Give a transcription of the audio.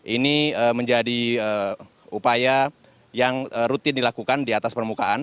ini menjadi upaya yang rutin dilakukan di atas permukaan